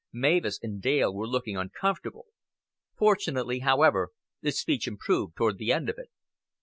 Mavis and Dale were looking uncomfortable. Fortunately, however, the speech improved toward the end of it.